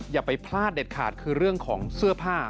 อย่าไปพลาดเด็ดขาดคือเรื่องของเสื้อผ้า